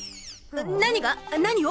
何が！？何を！？